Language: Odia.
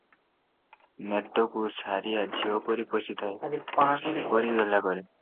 ନେତକୁ ସାରିଆ ଝିଅପରି ପୋଷିଥାଏ, ଝିଅପରି ଗେହ୍ଲା କରେ ।